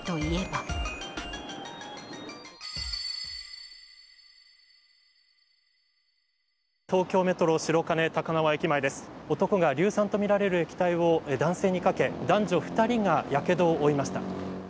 大人が硫酸とみられる液体を男性にかけ男女２人がやけどを負いました。